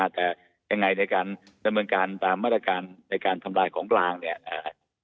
แต่ยังไงในการดำเนินการตามมาตรการในการทำลายของกลางเนี่ย